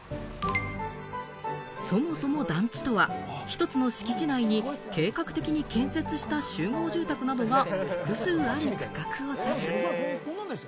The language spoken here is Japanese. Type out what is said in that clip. そもそも団地とは、一つの敷地内に計画的に建設した、集合住宅などが複数ある区画を指す。